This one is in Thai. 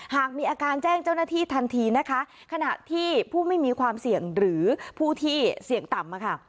หากมีอาการแจ้งเจ้าหน้าที่ทันทีนะคะขณะที่ผู้ไม่มีความเสี่ยงหรือผู้ที่เสี่ยงต่ำค่ะ